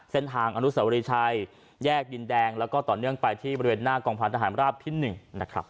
เส้นทางอนุสวรีชัยแยกดินแดงแล้วก็ต่อเนื่องไปที่บริเวณหน้ากองพันธหารราบที่๑นะครับ